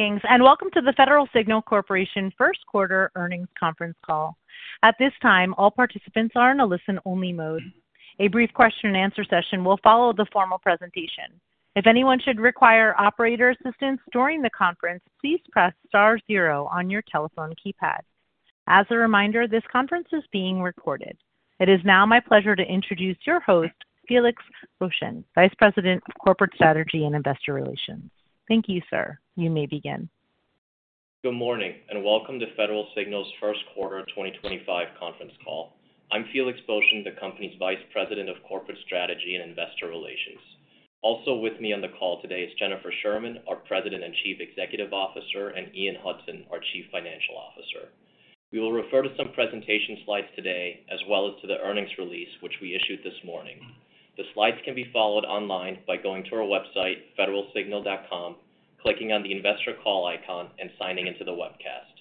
Greetings, and welcome to the Federal Signal Corporation First Quarter Earnings Conference Call. At this time, all participants are in a listen-only mode. A brief question-and-answer session will follow the formal presentation. If anyone should require operator assistance during the conference, please press star zero on your telephone keypad. As a reminder, this conference is being recorded. It is now my pleasure to introduce your host, Felix Boeschen, Vice President of Corporate Strategy and Investor Relations. Thank you, sir. You may begin. Good morning, and welcome to Federal Signal's First Quarter 2025 Conference Call. I'm Felix Boeschen, the company's Vice President of Corporate Strategy and Investor Relations. Also with me on the call today is Jennifer Sherman, our President and Chief Executive Officer, and Ian Hudson, our Chief Financial Officer. We will refer to some presentation slides today, as well as to the earnings release, which we issued this morning. The slides can be followed online by going to our website, federalsignal.com, clicking on the Investor Call icon, and signing into the webcast.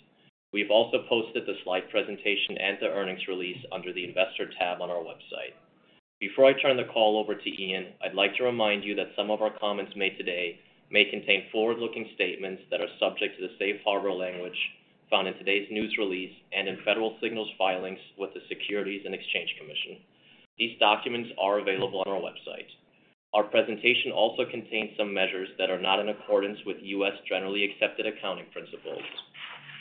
We've also posted the slide presentation and the earnings release under the Investor tab on our website. Before I turn the call over to Ian, I'd like to remind you that some of our comments made today may contain forward-looking statements that are subject to the safe harbor language found in today's news release and in Federal Signal's filings with the Securities and Exchange Commission. These documents are available on our website. Our presentation also contains some measures that are not in accordance with U.S. generally accepted accounting principles.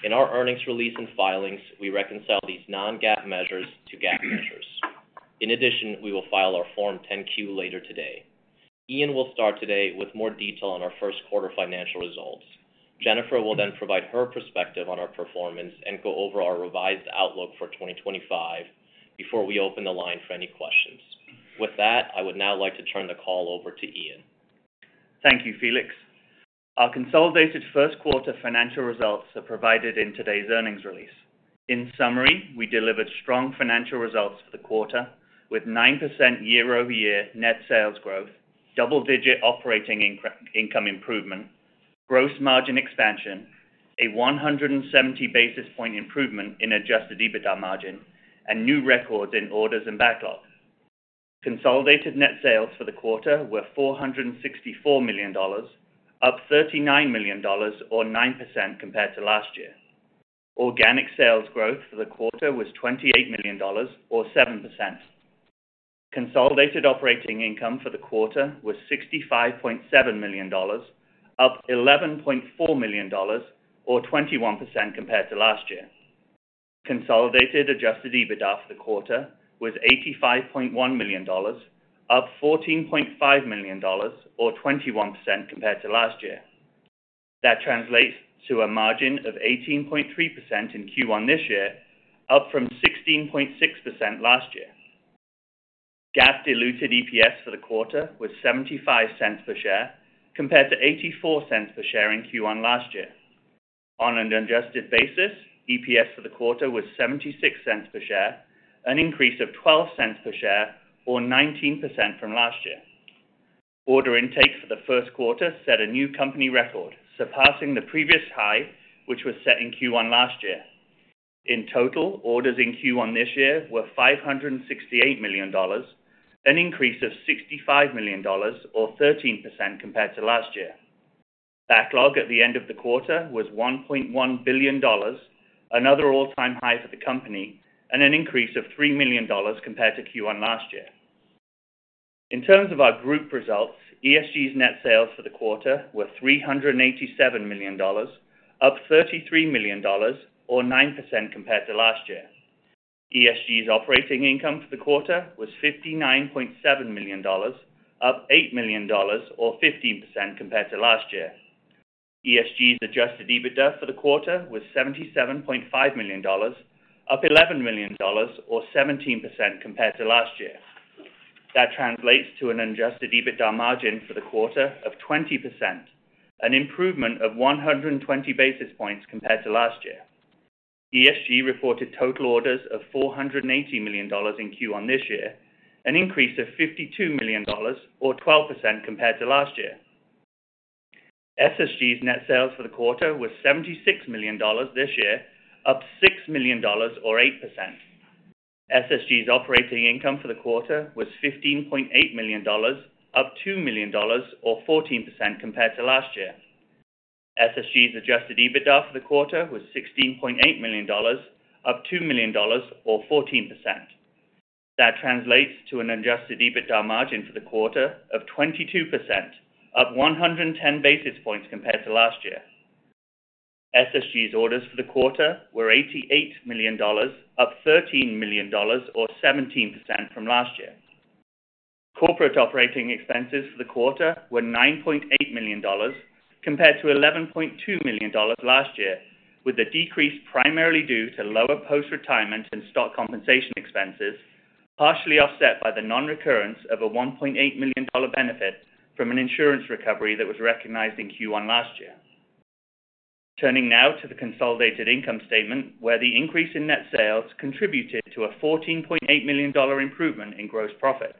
In our earnings release and filings, we reconcile these non-GAAP measures to GAAP measures. In addition, we will file our Form 10-Q later today. Ian will start today with more detail on our first quarter financial results. Jennifer will then provide her perspective on our performance and go over our revised outlook for 2025 before we open the line for any questions. With that, I would now like to turn the call over to Ian. Thank you, Felix. Our consolidated first quarter financial results are provided in today's earnings release. In summary, we delivered strong financial results for the quarter, with 9% year-over-year net sales growth, double-digit operating income improvement, gross margin expansion, a 170 basis point improvement in adjusted EBITDA margin, and new records in orders and backlog. Consolidated net sales for the quarter were $464 million, up $39 million, or 9% compared to last year. Organic sales growth for the quarter was $28 million, or 7%. Consolidated operating income for the quarter was $65.7 million, up $11.4 million, or 21% compared to last year. Consolidated adjusted EBITDA for the quarter was $85.1 million, up $14.5 million, or 21% compared to last year. That translates to a margin of 18.3% in Q1 this year, up from 16.6% last year. GAAP-diluted EPS for the quarter was $0.75 per share, compared to $0.84 per share in Q1 last year. On an adjusted basis, EPS for the quarter was $0.76 per share, an increase of $0.12 per share, or 19% from last year. Order intake for the first quarter set a new company record, surpassing the previous high, which was set in Q1 last year. In total, orders in Q1 this year were $568 million, an increase of $65 million, or 13% compared to last year. Backlog at the end of the quarter was $1.1 billion, another all-time high for the company, and an increase of $3 million compared to Q1 last year. In terms of our group results, ESG's net sales for the quarter were $387 million, up $33 million, or 9% compared to last year. ESG's operating income for the quarter was $59.7 million, up $8 million, or 15% compared to last year. ESG's adjusted EBITDA for the quarter was $77.5 million, up $11 million, or 17% compared to last year. That translates to an adjusted EBITDA margin for the quarter of 20%, an improvement of 120 basis points compared to last year. ESG reported total orders of $480 million in Q1 this year, an increase of $52 million, or 12% compared to last year. SSG's net sales for the quarter was $76 million this year, up $6 million, or 8%. SSG's operating income for the quarter was $15.8 million, up $2 million, or 14% compared to last year. SSG's adjusted EBITDA for the quarter was $16.8 million, up $2 million, or 14%. That translates to an adjusted EBITDA margin for the quarter of 22%, up 110 basis points compared to last year. SSG's orders for the quarter were $88 million, up $13 million, or 17% from last year. Corporate operating expenses for the quarter were $9.8 million compared to $11.2 million last year, with the decrease primarily due to lower post-retirement and stock compensation expenses, partially offset by the non-recurrence of a $1.8 million benefit from an insurance recovery that was recognized in Q1 last year. Turning now to the consolidated income statement, where the increase in net sales contributed to a $14.8 million improvement in gross profit.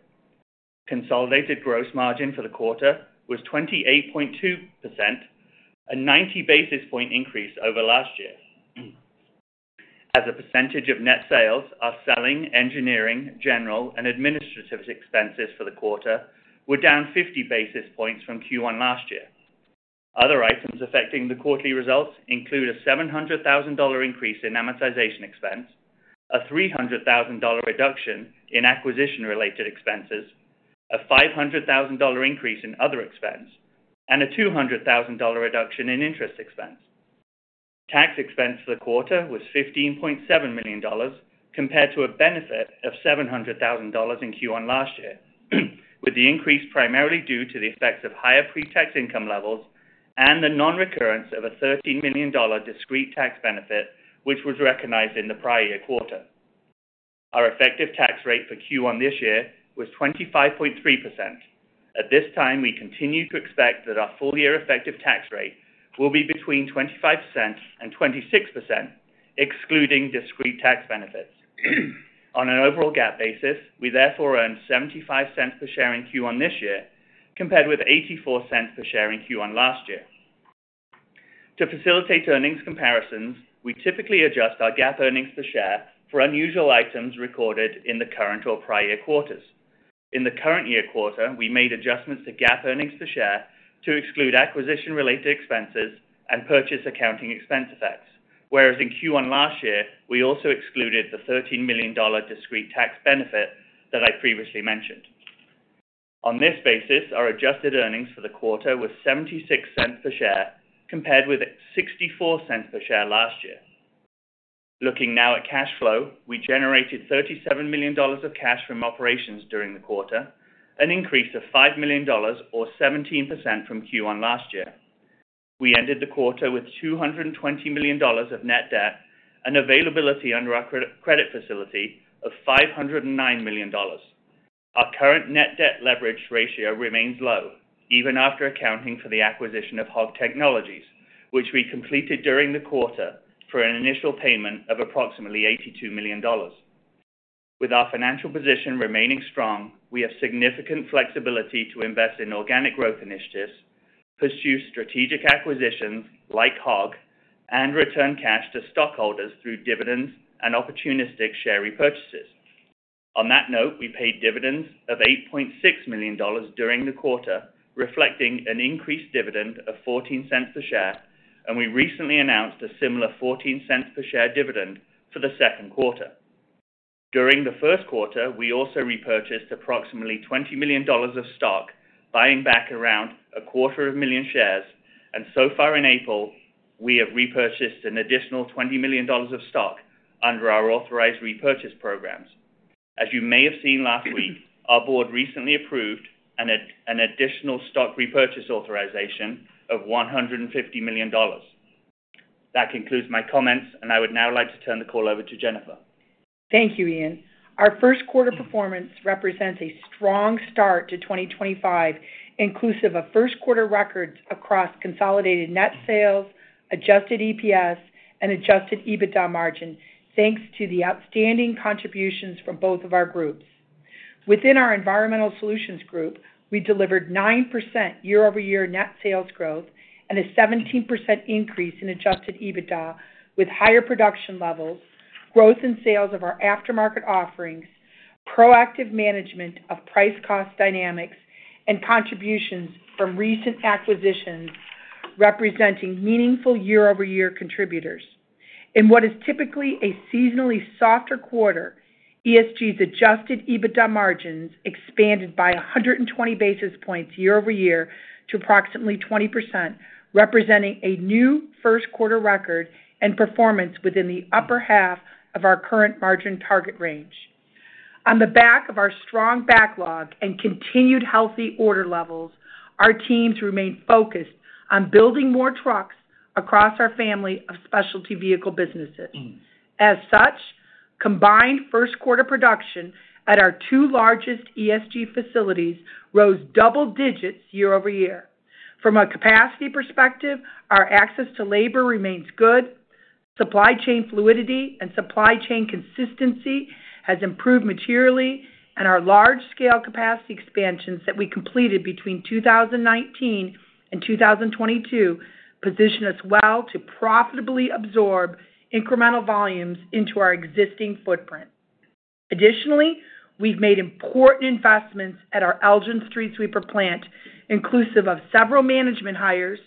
Consolidated gross margin for the quarter was 28.2%, a 90 basis point increase over last year. As a percentage of net sales, our selling, engineering, general, and administrative expenses for the quarter were down 50 basis points from Q1 last year. Other items affecting the quarterly results include a $700,000 increase in amortization expense, a $300,000 reduction in acquisition-related expenses, a $500,000 increase in other expense, and a $200,000 reduction in interest expense. Tax expense for the quarter was $15.7 million compared to a benefit of $700,000 in Q1 last year, with the increase primarily due to the effects of higher pre-tax income levels and the non-recurrence of a $13 million discrete tax benefit, which was recognized in the prior year quarter. Our effective tax rate for Q1 this year was 25.3%. At this time, we continue to expect that our full-year effective tax rate will be between 25% and 26%, excluding discrete tax benefits. On an overall GAAP basis, we therefore earned $0.75 per share in Q1 this year, compared with $0.84 per share in Q1 last year. To facilitate earnings comparisons, we typically adjust our GAAP earnings per share for unusual items recorded in the current or prior year quarters. In the current year quarter, we made adjustments to GAAP earnings per share to exclude acquisition-related expenses and purchase accounting expense effects, whereas in Q1 last year, we also excluded the $13 million discrete tax benefit that I previously mentioned. On this basis, our adjusted earnings for the quarter were $0.76 per share, compared with $0.64 per share last year. Looking now at cash flow, we generated $37 million of cash from operations during the quarter, an increase of $5 million, or 17% from Q1 last year. We ended the quarter with $220 million of net debt and availability under our credit facility of $509 million. Our current net debt leverage ratio remains low, even after accounting for the acquisition of Hog Technologies, which we completed during the quarter for an initial payment of approximately $82 million. With our financial position remaining strong, we have significant flexibility to invest in organic growth initiatives, pursue strategic acquisitions like Hog, and return cash to stockholders through dividends and opportunistic share repurchases. On that note, we paid dividends of $8.6 million during the quarter, reflecting an increased dividend of $0.14 per share, and we recently announced a similar $0.14 per share dividend for the second quarter. During the first quarter, we also repurchased approximately $20 million of stock, buying back around a quarter of a million shares, and so far in April, we have repurchased an additional $20 million of stock under our authorized repurchase programs. As you may have seen last week, our board recently approved an additional stock repurchase authorization of $150 million. That concludes my comments, and I would now like to turn the call over to Jennifer. Thank you, Ian. Our first quarter performance represents a strong start to 2025, inclusive of first quarter records across consolidated net sales, adjusted EPS, and adjusted EBITDA margin, thanks to the outstanding contributions from both of our groups. Within our Environmental Solutions Group, we delivered 9% year-over-year net sales growth and a 17% increase in adjusted EBITDA, with higher production levels, growth in sales of our aftermarket offerings, proactive management of price-cost dynamics, and contributions from recent acquisitions representing meaningful year-over-year contributors. In what is typically a seasonally softer quarter, ESG's adjusted EBITDA margins expanded by 120 basis points year-over-year to approximately 20%, representing a new first quarter record and performance within the upper half of our current margin target range. On the back of our strong backlog and continued healthy order levels, our teams remain focused on building more trucks across our family of specialty vehicle businesses. As such, combined first quarter production at our two largest ESG facilities rose double digits year-over-year. From a capacity perspective, our access to labor remains good. Supply chain fluidity and supply chain consistency has improved materially, and our large-scale capacity expansions that we completed between 2019 and 2022 position us well to profitably absorb incremental volumes into our existing footprint. Additionally, we have made important investments at our Elgin street sweeper plant, inclusive of several management hires,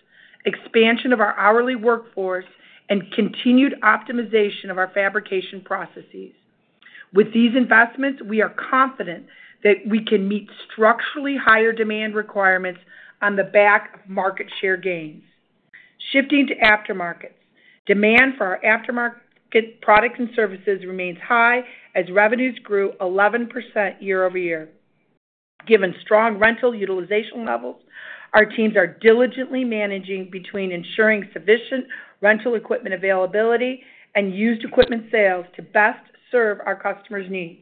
expansion of our hourly workforce, and continued optimization of our fabrication processes. With these investments, we are confident that we can meet structurally higher demand requirements on the back of market share gains. Shifting to aftermarkets, demand for our aftermarket products and services remains high as revenues grew 11% year-over-year. Given strong rental utilization levels, our teams are diligently managing between ensuring sufficient rental equipment availability and used equipment sales to best serve our customers' needs.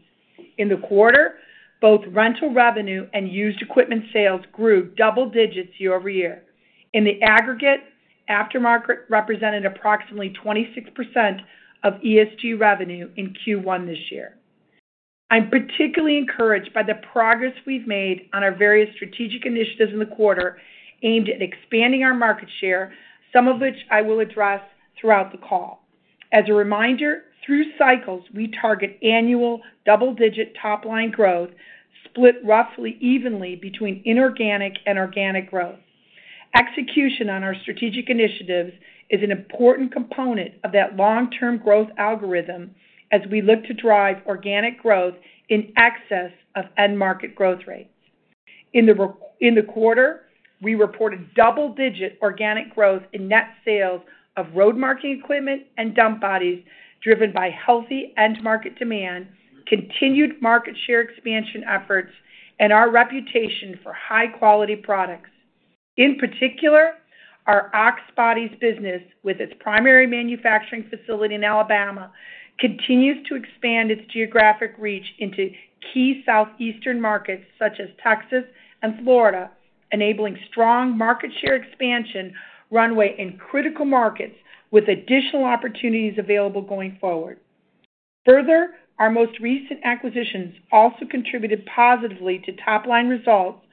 In the quarter, both rental revenue and used equipment sales grew double digits year-over-year. In the aggregate, aftermarket represented approximately 26% of ESG revenue in Q1 this year. I'm particularly encouraged by the progress we've made on our various strategic initiatives in the quarter aimed at expanding our market share, some of which I will address throughout the call. As a reminder, through cycles, we target annual double-digit top-line growth split roughly evenly between inorganic and organic growth. Execution on our strategic initiatives is an important component of that long-term growth algorithm as we look to drive organic growth in excess of end-market growth rates. In the quarter, we reported double-digit organic growth in net sales of road marking equipment and dump bodies driven by healthy end-market demand, continued market share expansion efforts, and our reputation for high-quality products. In particular, our Ox Bodies business, with its primary manufacturing facility in Alabama, continues to expand its geographic reach into key southeastern markets such as Texas and Florida, enabling strong market share expansion runway in critical markets with additional opportunities available going forward. Further, our most recent acquisitions also contributed positively to top-line results,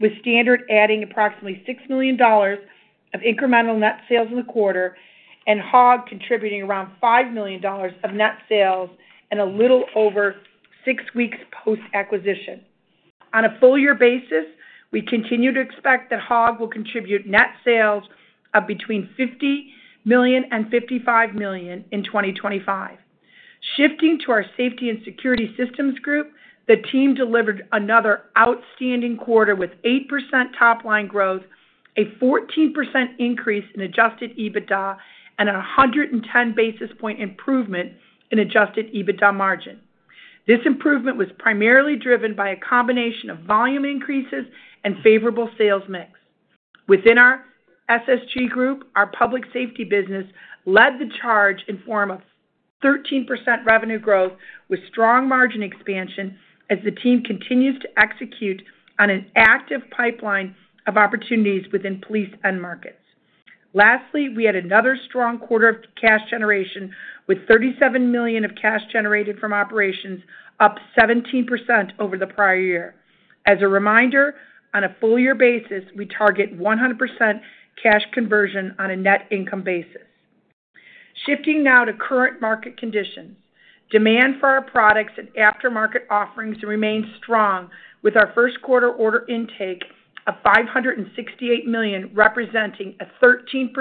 with Standard adding approximately $6 million of incremental net sales in the quarter and Hog contributing around $5 million of net sales in a little over six weeks post-acquisition. On a full-year basis, we continue to expect that Hog will contribute net sales of between $50 million and $55 million in 2025. Shifting to our Safety and Security Systems Group, the team delivered another outstanding quarter with 8% top-line growth, a 14% increase in adjusted EBITDA, and a 110 basis point improvement in adjusted EBITDA margin. This improvement was primarily driven by a combination of volume increases and favorable sales mix. Within our SSG group, our public safety business led the charge in form of 13% revenue growth with strong margin expansion as the team continues to execute on an active pipeline of opportunities within police end markets. Lastly, we had another strong quarter of cash generation with $37 million of cash generated from operations, up 17% over the prior year. As a reminder, on a full-year basis, we target 100% cash conversion on a net income basis. Shifting now to current market conditions, demand for our products and aftermarket offerings remains strong with our first quarter order intake of $568 million, representing a 13%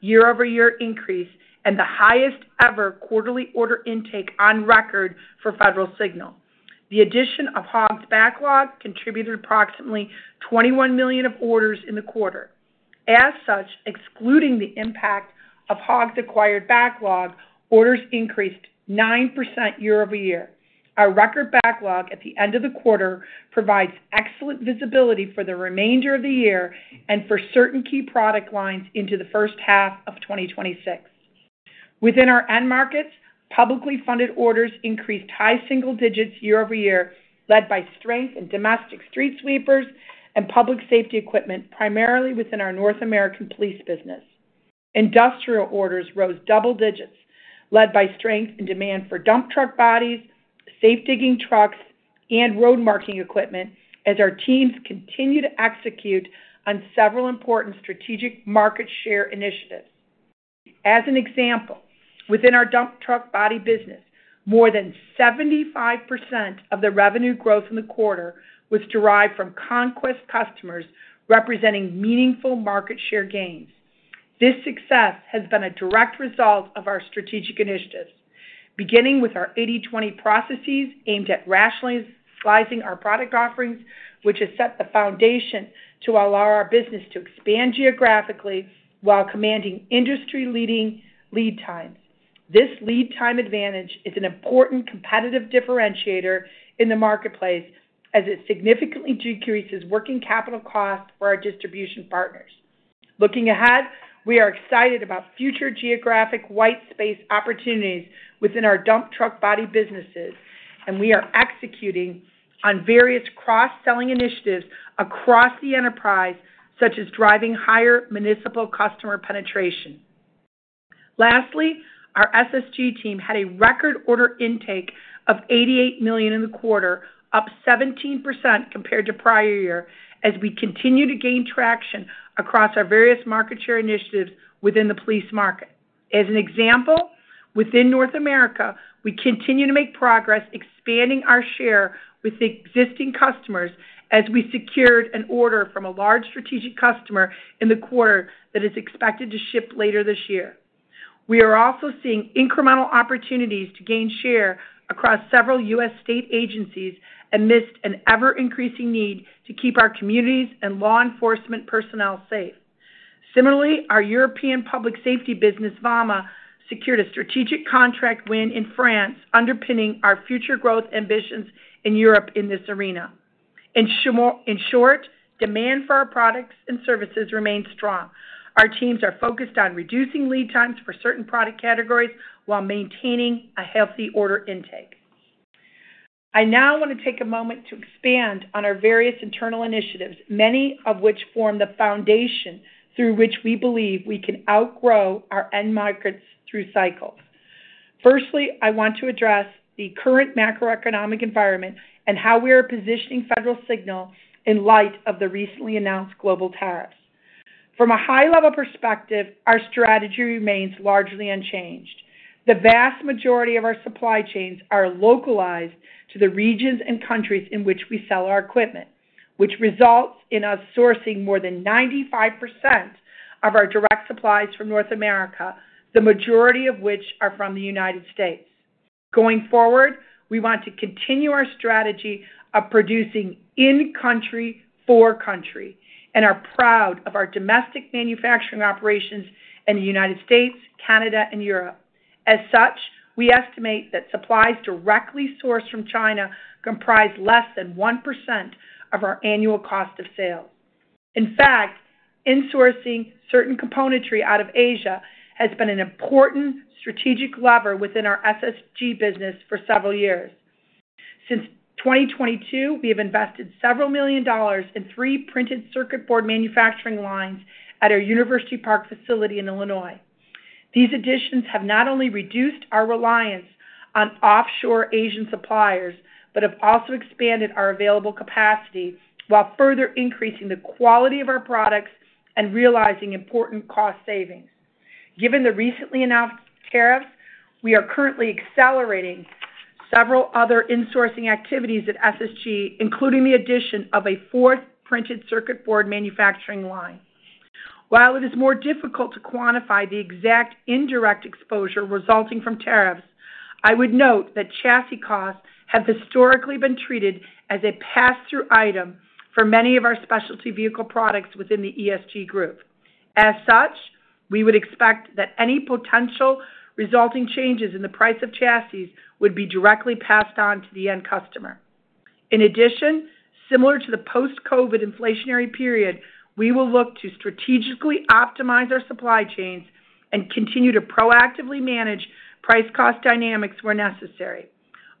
year-over-year increase and the highest ever quarterly order intake on record for Federal Signal. The addition of Hog's backlog contributed approximately $21 million of orders in the quarter. As such, excluding the impact of Hog's acquired backlog, orders increased 9% year-over-year. Our record backlog at the end of the quarter provides excellent visibility for the remainder of the year and for certain key product lines into the first half of 2026. Within our end markets, publicly funded orders increased high single digits year-over-year, led by strength in domestic street sweepers and public safety equipment, primarily within our North American police business. Industrial orders rose double digits, led by strength in demand for dump truck bodies, safe-digging trucks, and road marking equipment as our teams continue to execute on several important strategic market share initiatives. As an example, within our dump truck body business, more than 75% of the revenue growth in the quarter was derived from conquest customers representing meaningful market share gains. This success has been a direct result of our strategic initiatives, beginning with our 80/20 processes aimed at rationalizing our product offerings, which has set the foundation to allow our business to expand geographically while commanding industry-leading lead times. This lead time advantage is an important competitive differentiator in the marketplace as it significantly decreases working capital costs for our distribution partners. Looking ahead, we are excited about future geographic white space opportunities within our dump truck body businesses, and we are executing on various cross-selling initiatives across the enterprise, such as driving higher municipal customer penetration. Lastly, our SSG team had a record order intake of $88 million in the quarter, up 17% compared to prior year, as we continue to gain traction across our various market share initiatives within the police market. As an example, within North America, we continue to make progress expanding our share with existing customers as we secured an order from a large strategic customer in the quarter that is expected to ship later this year. We are also seeing incremental opportunities to gain share across several U.S. state agencies amidst an ever-increasing need to keep our communities and law enforcement personnel safe. Similarly, our European public safety business, VAMA, secured a strategic contract win in France, underpinning our future growth ambitions in Europe in this arena. In short, demand for our products and services remains strong. Our teams are focused on reducing lead times for certain product categories while maintaining a healthy order intake. I now want to take a moment to expand on our various internal initiatives, many of which form the foundation through which we believe we can outgrow our end markets through cycles. Firstly, I want to address the current macroeconomic environment and how we are positioning Federal Signal in light of the recently announced global tariffs. From a high-level perspective, our strategy remains largely unchanged. The vast majority of our supply chains are localized to the regions and countries in which we sell our equipment, which results in us sourcing more than 95% of our direct supplies from North America, the majority of which are from the United States. Going forward, we want to continue our strategy of producing in-country for country and are proud of our domestic manufacturing operations in the United States, Canada, and Europe. As such, we estimate that supplies directly sourced from China comprise less than 1% of our annual cost of sales. In fact, insourcing certain componentry out of Asia has been an important strategic lever within our SSG business for several years. Since 2022, we have invested several million dollars in three printed circuit board manufacturing lines at our University Park facility in Illinois. These additions have not only reduced our reliance on offshore Asian suppliers but have also expanded our available capacity while further increasing the quality of our products and realizing important cost savings. Given the recently announced tariffs, we are currently accelerating several other insourcing activities at SSG, including the addition of a fourth printed circuit board manufacturing line. While it is more difficult to quantify the exact indirect exposure resulting from tariffs, I would note that chassis costs have historically been treated as a pass-through item for many of our specialty vehicle products within the ESG group. As such, we would expect that any potential resulting changes in the price of chassis would be directly passed on to the end customer. In addition, similar to the post-COVID inflationary period, we will look to strategically optimize our supply chains and continue to proactively manage price-cost dynamics where necessary.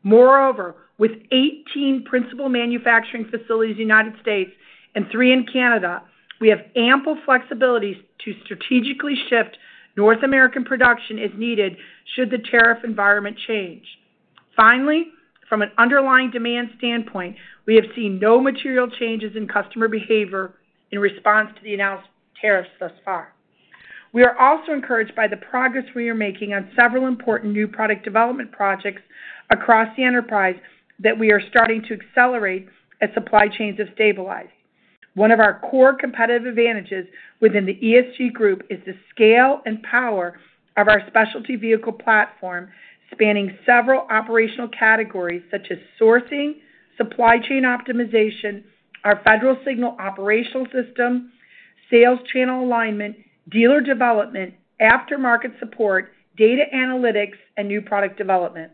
Moreover, with 18 principal manufacturing facilities in the United States and three in Canada, we have ample flexibility to strategically shift North American production as needed should the tariff environment change. Finally, from an underlying demand standpoint, we have seen no material changes in customer behavior in response to the announced tariffs thus far. We are also encouraged by the progress we are making on several important new product development projects across the enterprise that we are starting to accelerate as supply chains have stabilized. One of our core competitive advantages within the ESG group is the scale and power of our specialty vehicle platform, spanning several operational categories such as sourcing, supply chain optimization, our Federal Signal Operating System, sales channel alignment, dealer development, aftermarket support, data analytics, and new product development.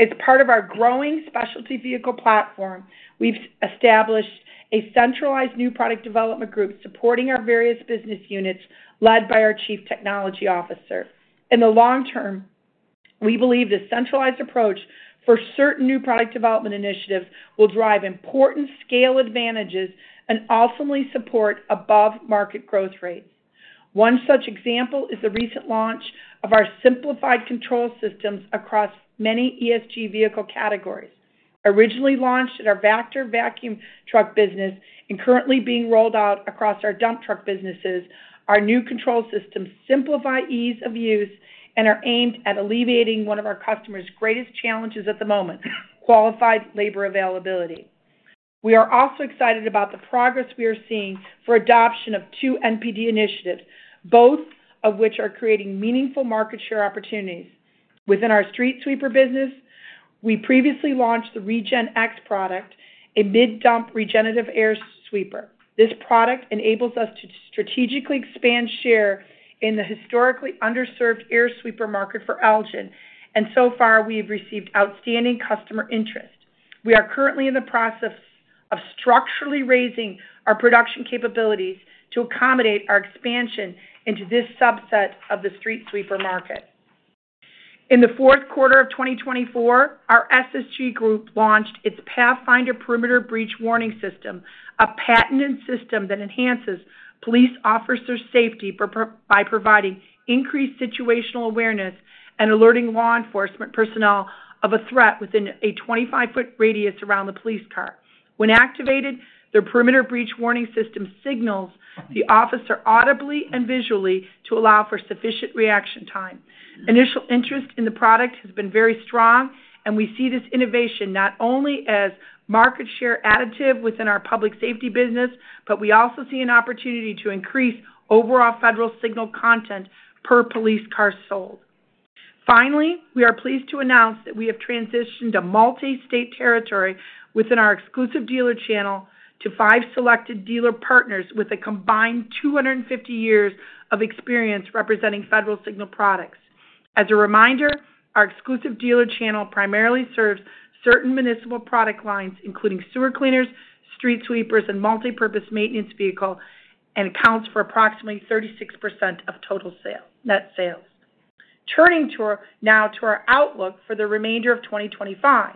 As part of our growing specialty vehicle platform, we've established a centralized new product development group supporting our various business units led by our Chief Technology Officer. In the long term, we believe the centralized approach for certain new product development initiatives will drive important scale advantages and ultimately support above-market growth rates. One such example is the recent launch of our simplified control systems across many ESG vehicle categories. Originally launched in our Vactor vacuum truck business and currently being rolled out across our dump truck businesses, our new control systems simplify ease of use and are aimed at alleviating one of our customers' greatest challenges at the moment: qualified labor availability. We are also excited about the progress we are seeing for adoption of two NPD initiatives, both of which are creating meaningful market share opportunities. Within our street sweeper business, we previously launched the RegenX product, a mid-dump regenerative air sweeper. This product enables us to strategically expand share in the historically underserved air sweeper market for Elgin, and so far, we have received outstanding customer interest. We are currently in the process of structurally raising our production capabilities to accommodate our expansion into this subset of the street sweeper market. In the fourth quarter of 2024, our SSG group launched its Pathfinder Perimeter Breach Warning System, a patented system that enhances police officer safety by providing increased situational awareness and alerting law enforcement personnel of a threat within a 25-foot radius around the police car. When activated, the Perimeter Breach Warning System signals the officer audibly and visually to allow for sufficient reaction time. Initial interest in the product has been very strong, and we see this innovation not only as market share additive within our public safety business, but we also see an opportunity to increase overall Federal Signal content per police car sold. Finally, we are pleased to announce that we have transitioned to multi-state territory within our exclusive dealer channel to five selected dealer partners with a combined 250 years of experience representing Federal Signal products. As a reminder, our exclusive dealer channel primarily serves certain municipal product lines, including sewer cleaners, street sweepers, and multipurpose maintenance vehicles, and accounts for approximately 36% of total net sales. Turning now to our outlook for the remainder of 2025,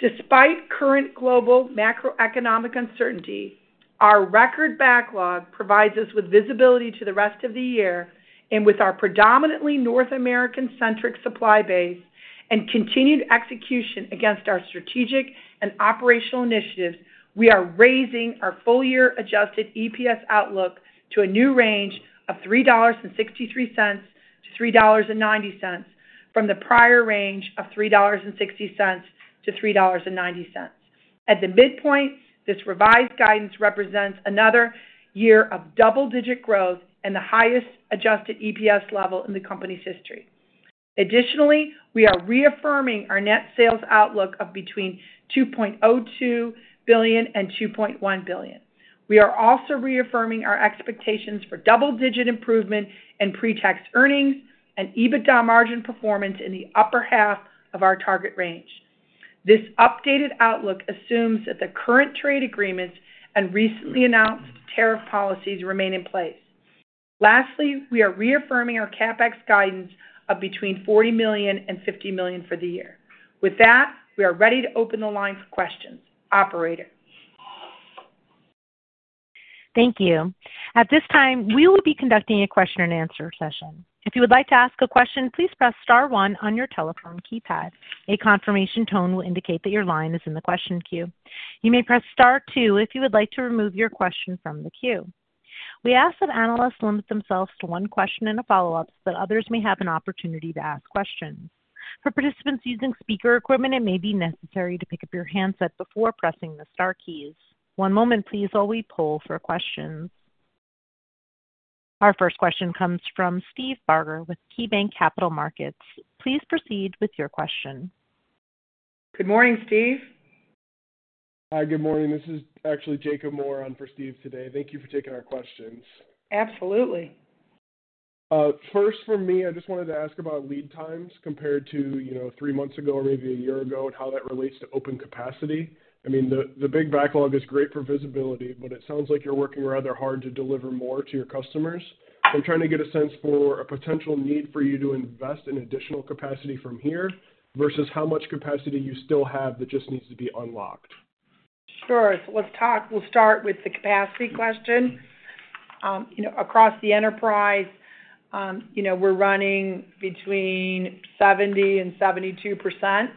despite current global macroeconomic uncertainty, our record backlog provides us with visibility to the rest of the year. With our predominantly North American-centric supply base and continued execution against our strategic and operational initiatives, we are raising our full-year adjusted EPS outlook to a new range of $3.63-$3.90 from the prior range of $3.60-$3.90. At the midpoint, this revised guidance represents another year of double-digit growth and the highest adjusted EPS level in the company's history. Additionally, we are reaffirming our net sales outlook of between $2.02 billion and $2.1 billion. We are also reaffirming our expectations for double-digit improvement in pre-tax earnings and EBITDA margin performance in the upper half of our target range. This updated outlook assumes that the current trade agreements and recently announced tariff policies remain in place. Lastly, we are reaffirming our CapEx guidance of between $40 million and $50 million for the year. With that, we are ready to open the line for questions. Operator. Thank you. At this time, we will be conducting a question-and-answer session. If you would like to ask a question, please press Star 1 on your telephone keypad. A confirmation tone will indicate that your line is in the question queue. You may press Star 2 if you would like to remove your question from the queue. We ask that analysts limit themselves to one question and a follow-up, so that others may have an opportunity to ask questions. For participants using speaker equipment, it may be necessary to pick up your handset before pressing the Star keys. One moment, please, while we poll for questions. Our first question comes from Steve Barger with KeyBank Capital Markets. Please proceed with your question. Good morning, Steve. Hi, good morning. This is actually Jacob Moore on for Steve today. Thank you for taking our questions. Absolutely. First, for me, I just wanted to ask about lead times compared to three months ago or maybe a year ago and how that relates to open capacity. I mean, the big backlog is great for visibility, but it sounds like you're working rather hard to deliver more to your customers. I'm trying to get a sense for a potential need for you to invest in additional capacity from here versus how much capacity you still have that just needs to be unlocked. Sure. Let's start with the capacity question. Across the enterprise, we're running between 70-72%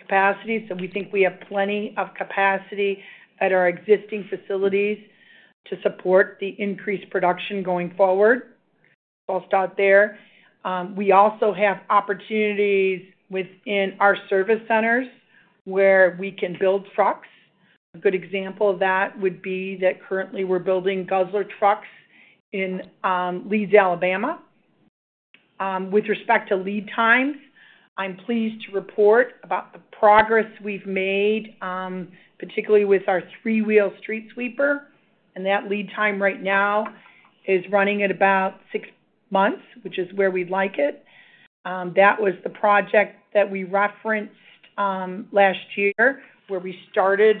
capacity, so we think we have plenty of capacity at our existing facilities to support the increased production going forward. I'll start there. We also have opportunities within our service centers where we can build trucks. A good example of that would be that currently we're building Guzzler trucks in Leeds, Alabama. With respect to lead times, I'm pleased to report about the progress we've made, particularly with our three-wheel street sweeper, and that lead time right now is running at about six months, which is where we'd like it. That was the project that we referenced last year where we started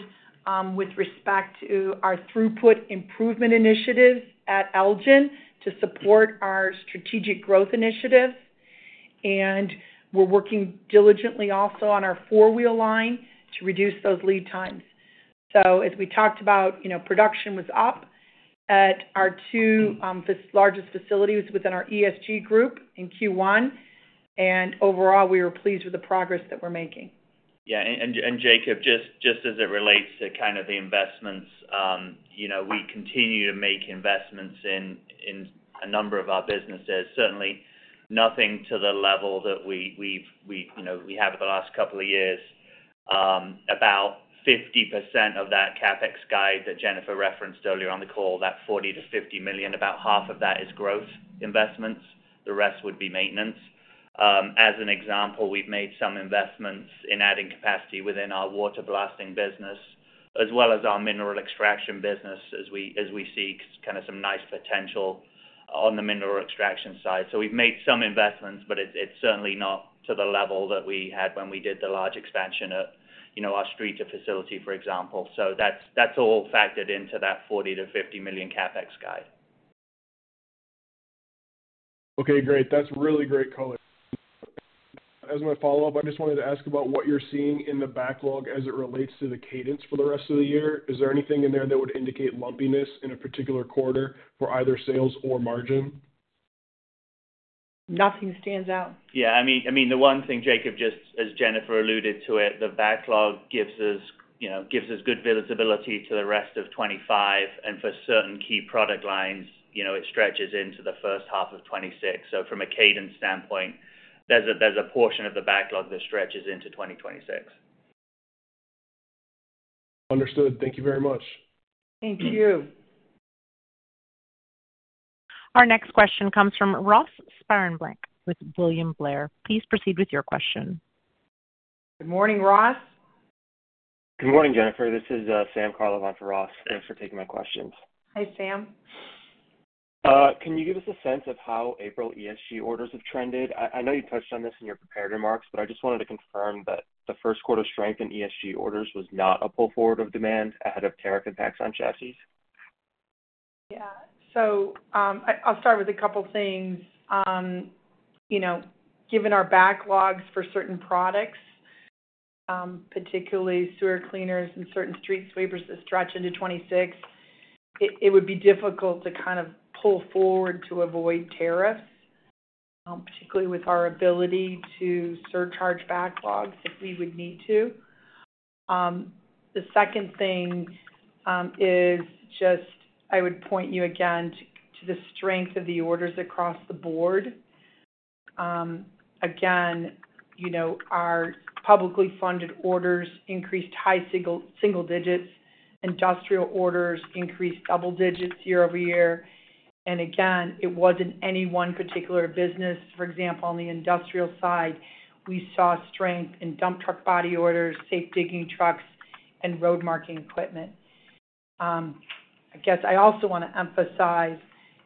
with respect to our throughput improvement initiatives at Elgin to support our strategic growth initiatives. We're working diligently also on our four-wheel line to reduce those lead times. As we talked about, production was up at our two largest facilities within our ESG group in Q1, and overall, we are pleased with the progress that we're making. Yeah. Jacob, just as it relates to kind of the investments, we continue to make investments in a number of our businesses, certainly nothing to the level that we have the last couple of years. About 50% of that CapEx guide that Jennifer referenced earlier on the call, that $40-50 million, about half of that is growth investments. The rest would be maintenance. As an example, we've made some investments in adding capacity within our water blasting business as well as our mineral extraction business as we see kind of some nice potential on the mineral extraction side. We've made some investments, but it's certainly not to the level that we had when we did the large expansion at our Streator facility, for example. That's all factored into that $40-50 million CapEx guide. Okay. Great. That's really great color. As my follow-up, I just wanted to ask about what you're seeing in the backlog as it relates to the cadence for the rest of the year. Is there anything in there that would indicate lumpiness in a particular quarter for either sales or margin? Nothing stands out. Yeah. I mean, the one thing, Jacob, just as Jennifer alluded to it, the backlog gives us good visibility to the rest of 2025, and for certain key product lines, it stretches into the first half of 2026. From a cadence standpoint, there's a portion of the backlog that stretches into 2026. Understood. Thank you very much. Thank you. Our next question comes from Ross Sparenblek with William Blair. Please proceed with your question. Good morning, Ross. Good morning, Jennifer. This is Sam Kurlan for Ross. Thanks for taking my questions. Hi, Sam. Can you give us a sense of how April ESG orders have trended? I know you touched on this in your prepared remarks, but I just wanted to confirm that the first quarter strength in ESG orders was not a pull forward of demand ahead of tariff impacts on chassis. Yeah. I'll start with a couple of things. Given our backlogs for certain products, particularly sewer cleaners and certain street sweepers that stretch into 2026, it would be difficult to kind of pull forward to avoid tariffs, particularly with our ability to surcharge backlogs if we would need to. The second thing is just I would point you again to the strength of the orders across the board. Again, our publicly funded orders increased high single digits. Industrial orders increased double digits year over year. Again, it wasn't any one particular business. For example, on the industrial side, we saw strength in dump truck body orders, safe digging trucks, and road marking equipment. I guess I also want to emphasize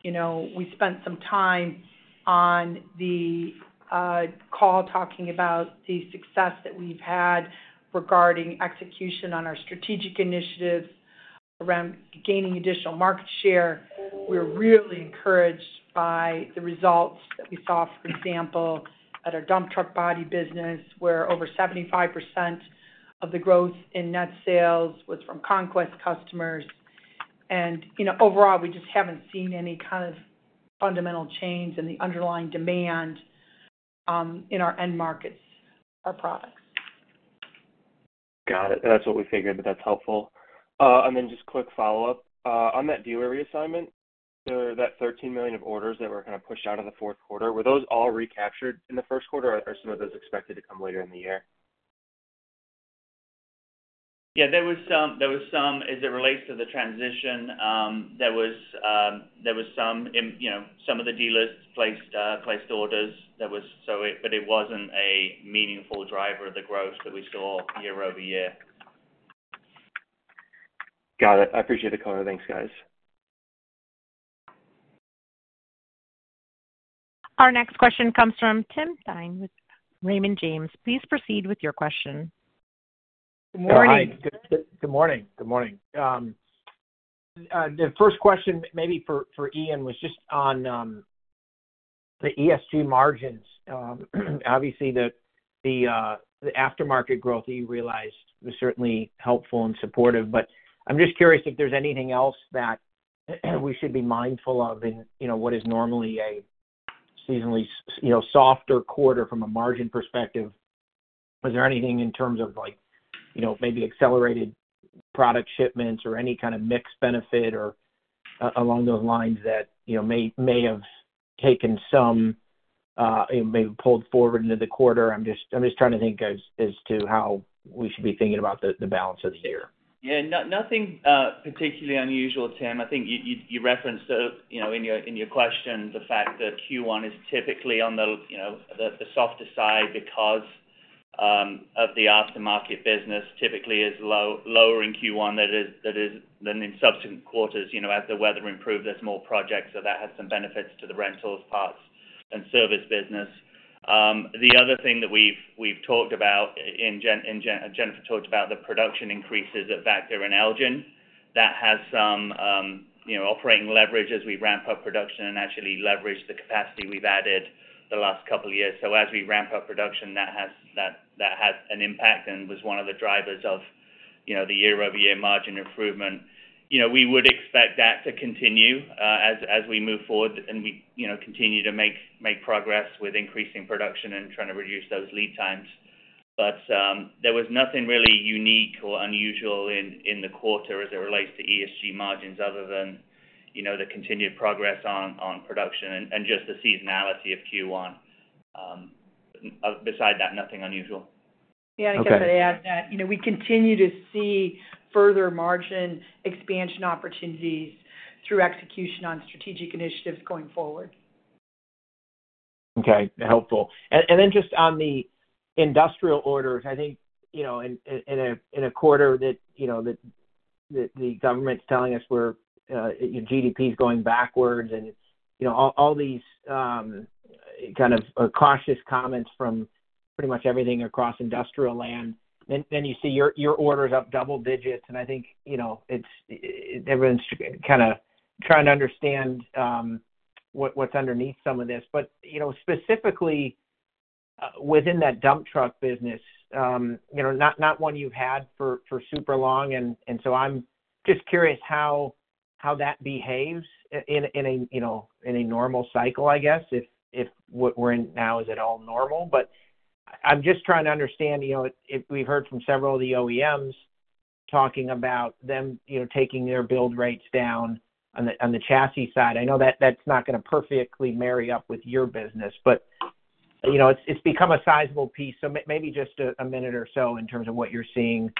we spent some time on the call talking about the success that we've had regarding execution on our strategic initiatives around gaining additional market share. We're really encouraged by the results that we saw, for example, at our dump truck body business, where over 75% of the growth in net sales was from conquest customers. Overall, we just haven't seen any kind of fundamental change in the underlying demand in our end markets, our products. Got it. That's what we figured, but that's helpful. Just quick follow-up. On that dealer reassignment, that $13 million of orders that were kind of pushed out of the fourth quarter, were those all recaptured in the first quarter, or are some of those expected to come later in the year? Yeah. There was some as it relates to the transition. There was some of the dealers placed orders. But it was not a meaningful driver of the growth that we saw year over year. Got it. I appreciate the color. Thanks, guys. Our next question comes from Tim Thein with Raymond James. Please proceed with your question. Good morning. Good morning. Good morning. The first question maybe for Ian was just on the ESG margins. Obviously, the aftermarket growth that you realized was certainly helpful and supportive, but I'm just curious if there's anything else that we should be mindful of in what is normally a seasonally softer quarter from a margin perspective. Is there anything in terms of maybe accelerated product shipments or any kind of mixed benefit or along those lines that may have taken some maybe pulled forward into the quarter? I'm just trying to think as to how we should be thinking about the balance of the year. Yeah. Nothing particularly unusual, Tim. I think you referenced in your question the fact that Q1 is typically on the softer side because the aftermarket business typically is lower in Q1 than in subsequent quarters. As the weather improves, there's more projects, so that has some benefits to the rentals parts and service business. The other thing that we've talked about, and Jennifer talked about the production increases at Vactor and Elgin, that has some operating leverage as we ramp up production and actually leverage the capacity we've added the last couple of years. As we ramp up production, that has an impact and was one of the drivers of the year-over-year margin improvement. We would expect that to continue as we move forward and continue to make progress with increasing production and trying to reduce those lead times. There was nothing really unique or unusual in the quarter as it relates to ESG margins other than the continued progress on production and just the seasonality of Q1. Beside that, nothing unusual. Yeah. I guess I'd add that we continue to see further margin expansion opportunities through execution on strategic initiatives going forward. Okay. Helpful. Just on the industrial orders, I think in a quarter that the government's telling us where GDP's going backwards and all these kind of cautious comments from pretty much everything across industrial land, you see your orders up double digits, and I think everyone's kind of trying to understand what's underneath some of this. Specifically within that dump truck business, not one you've had for super long, and so I'm just curious how that behaves in a normal cycle, I guess, if what we're in now is at all normal. I'm just trying to understand. We've heard from several of the OEMs talking about them taking their build rates down on the chassis side. I know that's not going to perfectly marry up with your business, but it's become a sizable piece. Maybe just a minute or so in terms of what you're seeing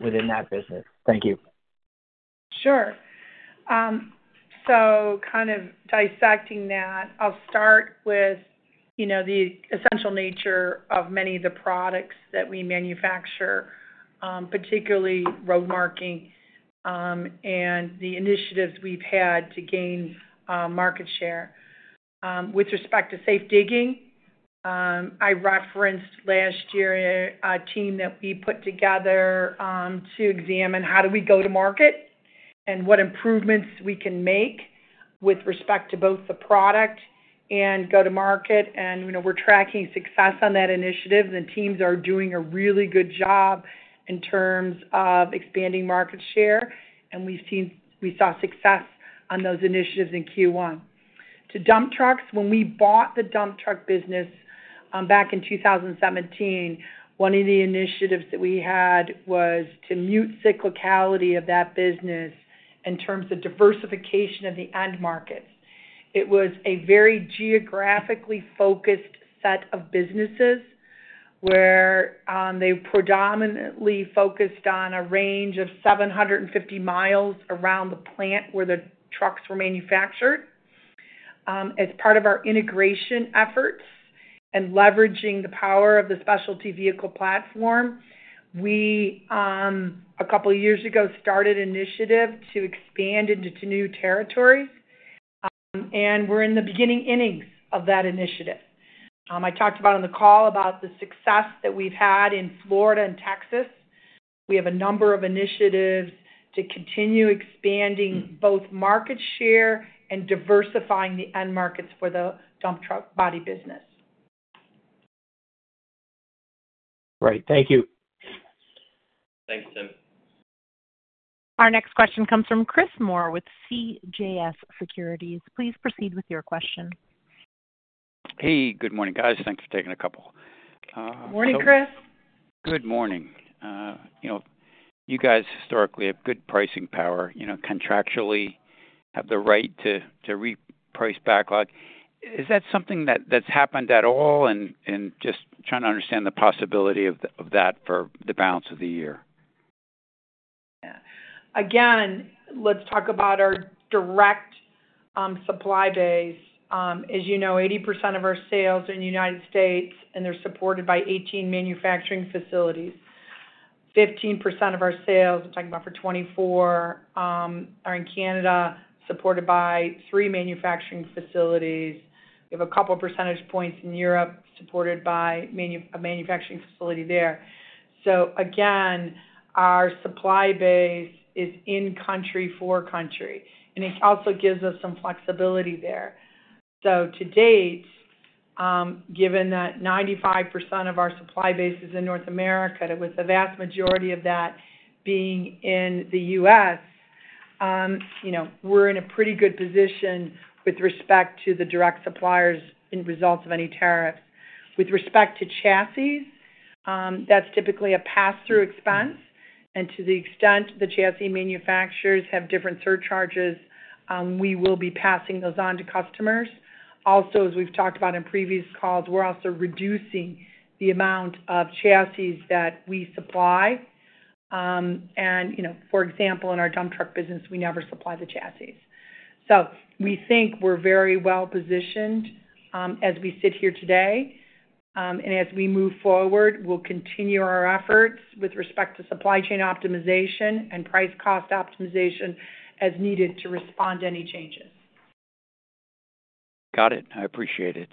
within that business. Thank you. Sure. Kind of dissecting that, I'll start with the essential nature of many of the products that we manufacture, particularly road marking and the initiatives we've had to gain market share. With respect to safe digging, I referenced last year a team that we put together to examine how do we go to market and what improvements we can make with respect to both the product and go to market. We're tracking success on that initiative, and the teams are doing a really good job in terms of expanding market share, and we saw success on those initiatives in Q1. To dump trucks, when we bought the dump truck business back in 2017, one of the initiatives that we had was to mute cyclicality of that business in terms of diversification of the end markets. It was a very geographically focused set of businesses where they predominantly focused on a range of 750 miles around the plant where the trucks were manufactured. As part of our integration efforts and leveraging the power of the specialty vehicle platform, we, a couple of years ago, started an initiative to expand into new territories, and we're in the beginning innings of that initiative. I talked about on the call about the success that we've had in Florida and Texas. We have a number of initiatives to continue expanding both market share and diversifying the end markets for the dump truck body business. Great. Thank you. Thanks, Tim. Our next question comes from Chris Moore with CJS Securities. Please proceed with your question. Hey. Good morning, guys. Thanks for taking a couple. Morning, Chris. Good morning. You guys historically have good pricing power. Contractually, have the right to reprice backlog. Is that something that's happened at all? Just trying to understand the possibility of that for the balance of the year. Yeah. Again, let's talk about our direct supply base. As you know, 80% of our sales are in the United States, and they're supported by 18 manufacturing facilities. 15% of our sales, I'm talking about for 2024, are in Canada, supported by three manufacturing facilities. We have a couple of percentage points in Europe supported by a manufacturing facility there. Again, our supply base is in country for country, and it also gives us some flexibility there. To date, given that 95% of our supply base is in North America, with the vast majority of that being in the U.S., we're in a pretty good position with respect to the direct suppliers and results of any tariffs. With respect to chassis, that's typically a pass-through expense. To the extent the chassis manufacturers have different surcharges, we will be passing those on to customers. Also, as we've talked about in previous calls, we're also reducing the amount of chassis that we supply. For example, in our dump truck business, we never supply the chassis. We think we're very well positioned as we sit here today. As we move forward, we'll continue our efforts with respect to supply chain optimization and price-cost optimization as needed to respond to any changes. Got it. I appreciate it.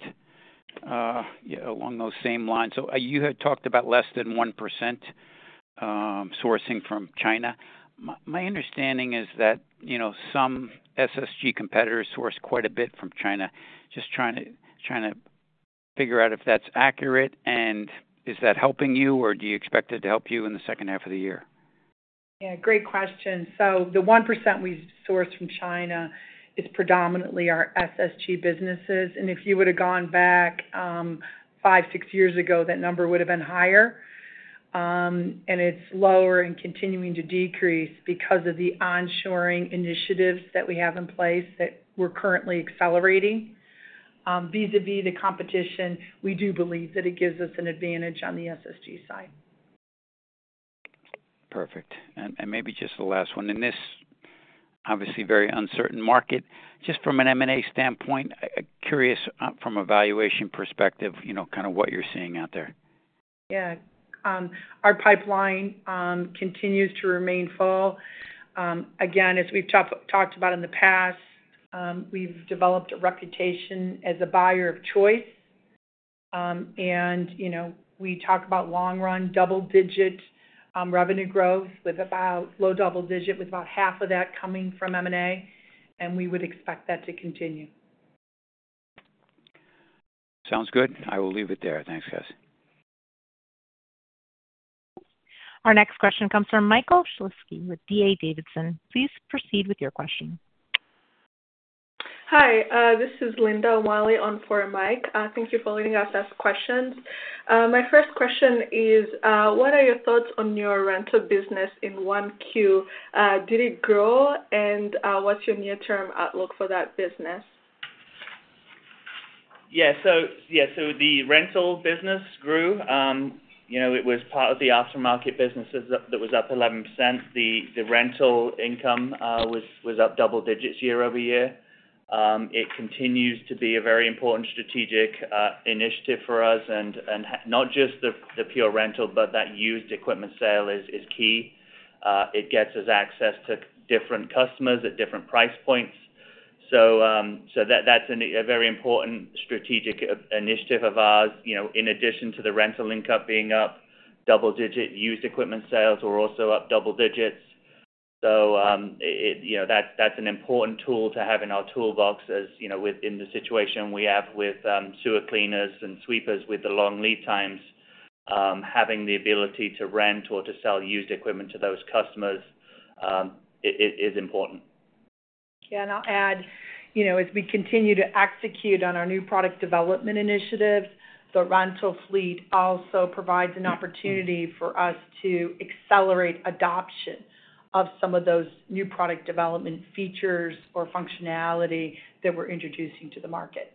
Yeah. Along those same lines. You had talked about less than 1% sourcing from China. My understanding is that some SSG competitors source quite a bit from China. Just trying to figure out if that's accurate, and is that helping you, or do you expect it to help you in the second half of the year? Yeah. Great question. The 1% we source from China is predominantly our SSG businesses. If you would have gone back five, six years ago, that number would have been higher. It's lower and continuing to decrease because of the onshoring initiatives that we have in place that we're currently accelerating. Vis-à-vis the competition, we do believe that it gives us an advantage on the SSG side. Perfect. Maybe just the last one. In this obviously very uncertain market, just from an M&A standpoint, curious from a valuation perspective kind of what you're seeing out there. Yeah. Our pipeline continues to remain full. Again, as we've talked about in the past, we've developed a reputation as a buyer of choice. We talk about long-run double-digit revenue growth with about low double digit, with about half of that coming from M&A, and we would expect that to continue. Sounds good. I will leave it there. Thanks, guys. Our next question comes from Michael Shlisky with DA Davidson. Please proceed with your question. Hi. This is Linda O'Malley on for Mike. Thank you for letting us ask questions. My first question is, what are your thoughts on your rental business in one Q? Did it grow, and what's your near-term outlook for that business? Yeah. The rental business grew. It was part of the aftermarket business that was up 11%. The rental income was up double digits year over year. It continues to be a very important strategic initiative for us. Not just the pure rental, but that used equipment sale is key. It gets us access to different customers at different price points. That is a very important strategic initiative of ours. In addition to the rental income being up double digit, used equipment sales were also up double digits. That is an important tool to have in our toolbox within the situation we have with sewer cleaners and sweepers with the long lead times. Having the ability to rent or to sell used equipment to those customers is important. Yeah. I'll add, as we continue to execute on our new product development initiatives, the rental fleet also provides an opportunity for us to accelerate adoption of some of those new product development features or functionality that we're introducing to the market.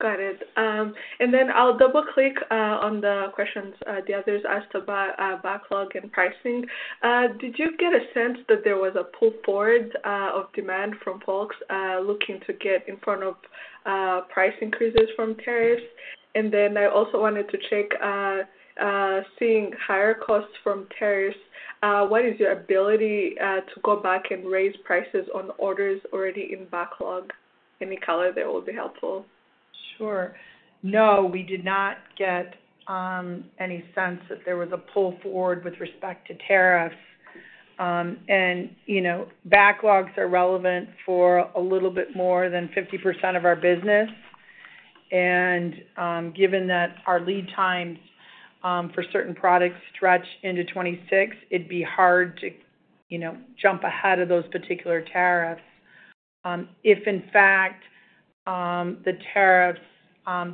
Got it. I'll double-click on the questions the others asked about backlog and pricing. Did you get a sense that there was a pull forward of demand from folks looking to get in front of price increases from tariffs? I also wanted to check seeing higher costs from tariffs. What is your ability to go back and raise prices on orders already in backlog? Any color there will be helpful. Sure. No, we did not get any sense that there was a pull forward with respect to tariffs. Backlogs are relevant for a little bit more than 50% of our business. Given that our lead times for certain products stretch into 2026, it'd be hard to jump ahead of those particular tariffs. If in fact the tariffs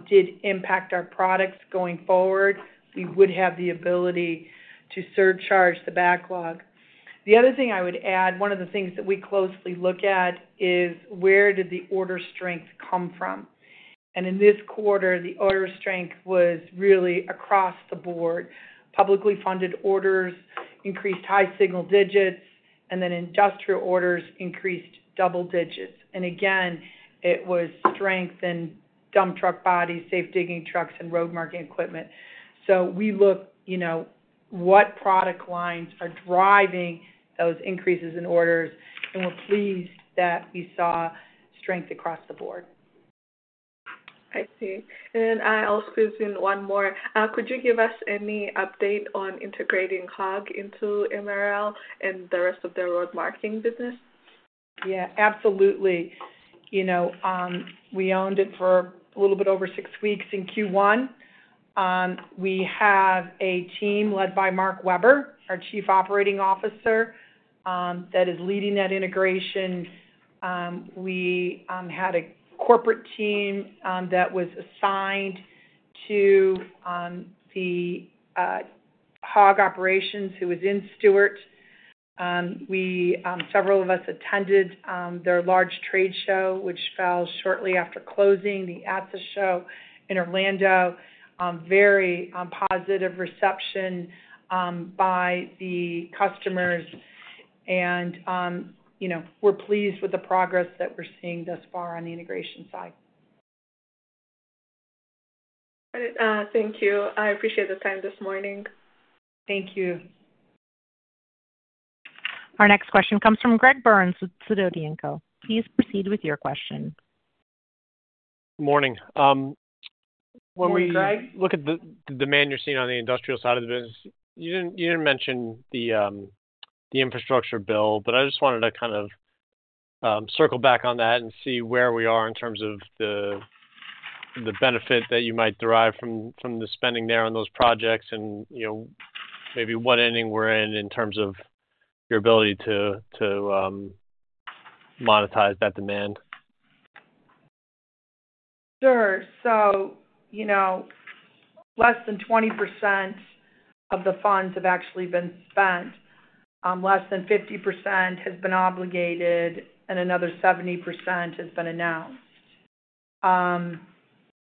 did impact our products going forward, we would have the ability to surcharge the backlog. The other thing I would add, one of the things that we closely look at is where did the order strength come from? In this quarter, the order strength was really across the board. Publicly funded orders increased high single digits, and then industrial orders increased double digits. Again, it was strength in dump truck bodies, safe-digging trucks, and road marking equipment. We look at what product lines are driving those increases in orders, and we're pleased that we saw strength across the board. I see. I'll squeeze in one more. Could you give us any update on integrating Hog into MRL and the rest of their road marking business? Yeah. Absolutely. We owned it for a little bit over six weeks in Q1. We have a team led by Mark Weber, our Chief Operating Officer, that is leading that integration. We had a corporate team that was assigned to the Hog operations who was in Stuart. Several of us attended their large trade show, which fell shortly after closing the ATSSA show in Orlando. Very positive reception by the customers, and we're pleased with the progress that we're seeing thus far on the integration side. Thank you. I appreciate the time this morning. Thank you. Our next question comes from Greg Burns, Sidoti & Company. Please proceed with your question. Good morning. When we look at the demand you're seeing on the industrial side of the business, you didn't mention the infrastructure bill, but I just wanted to kind of circle back on that and see where we are in terms of the benefit that you might derive from the spending there on those projects and maybe what ending we're in in terms of your ability to monetize that demand. Sure. Less than 20% of the funds have actually been spent. Less than 50% has been obligated, and another 70% has been announced.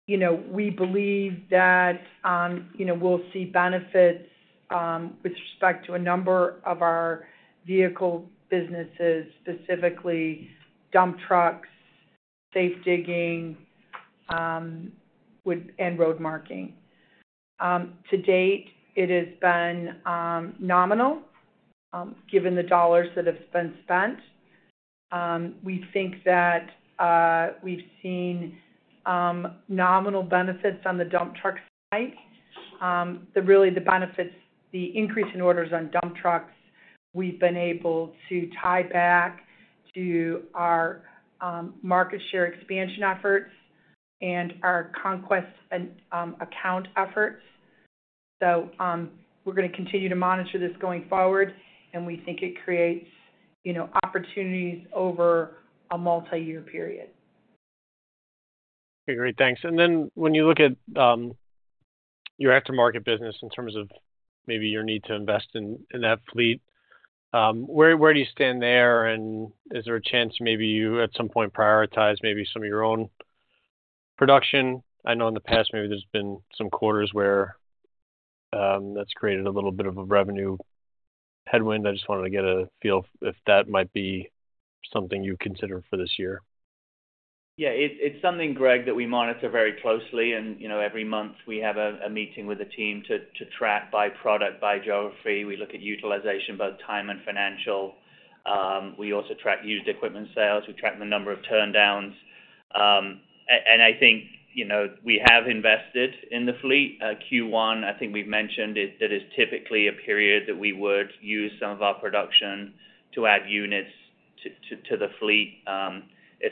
We believe that we'll see benefits with respect to a number of our vehicle businesses, specifically dump trucks, safe digging, and road marking. To date, it has been nominal given the dollars that have been spent. We think that we've seen nominal benefits on the dump truck side. Really, the increase in orders on dump trucks, we've been able to tie back to our market share expansion efforts and our conquest account efforts. We are going to continue to monitor this going forward, and we think it creates opportunities over a multi-year period. Okay. Great. Thanks. When you look at your aftermarket business in terms of maybe your need to invest in that fleet, where do you stand there? Is there a chance maybe you at some point prioritize maybe some of your own production? I know in the past, maybe there's been some quarters where that's created a little bit of a revenue headwind. I just wanted to get a feel if that might be something you consider for this year. Yeah. It's something, Greg, that we monitor very closely. Every month, we have a meeting with the team to track by product, by geography. We look at utilization, both time and financial. We also track used equipment sales. We track the number of turndowns. I think we have invested in the fleet. Q1, I think we've mentioned that it's typically a period that we would use some of our production to add units to the fleet,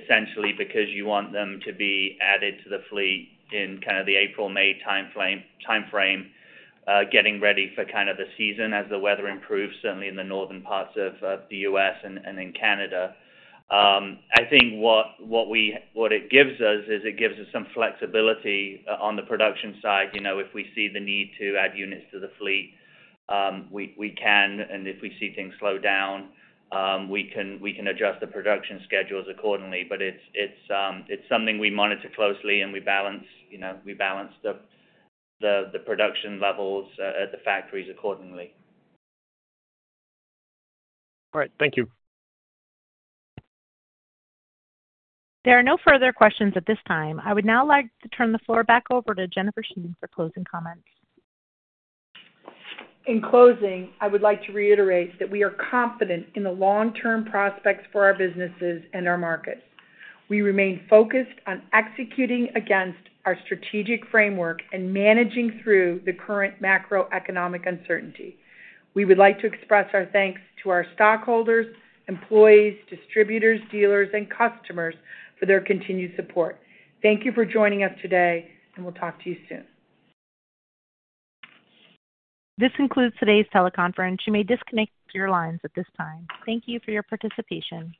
essentially because you want them to be added to the fleet in kind of the April, May timeframe, getting ready for kind of the season as the weather improves, certainly in the northern parts of the U.S. and in Canada. I think what it gives us is it gives us some flexibility on the production side. If we see the need to add units to the fleet, we can. If we see things slow down, we can adjust the production schedules accordingly. It is something we monitor closely, and we balance the production levels at the factories accordingly. All right. Thank you. There are no further questions at this time. I would now like to turn the floor back over to Jennifer Sherman for closing comments. In closing, I would like to reiterate that we are confident in the long-term prospects for our businesses and our markets. We remain focused on executing against our strategic framework and managing through the current macroeconomic uncertainty. We would like to express our thanks to our stockholders, employees, distributors, dealers, and customers for their continued support. Thank you for joining us today, and we'll talk to you soon. This concludes today's teleconference. You may disconnect your lines at this time. Thank you for your participation.